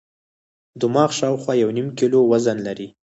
دماغ شاوخوا یو نیم کیلو وزن لري.